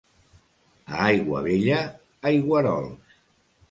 A Aiguabella, aigüerols.